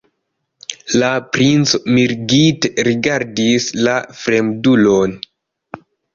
La princo mirigite rigardis la fremdulon.